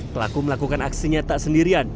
pelaku melakukan aksinya tak sendirian